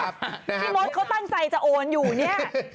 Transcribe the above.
พี่มดเขาตั้งใจจะโอนอยู่เนี่ย